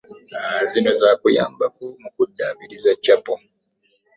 Zino za kuyambako mu kuddaabiriza Chapel